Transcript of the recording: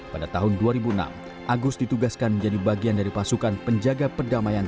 pada tahun dua ribu enam agus ditugaskan menjadi bagian dari pasukan penjaga perdamaian